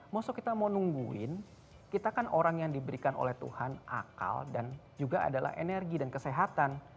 maksudnya kita mau nungguin kita kan orang yang diberikan oleh tuhan akal dan juga adalah energi dan kesehatan